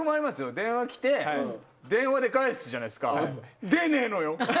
電話来て電話で返すじゃないですか。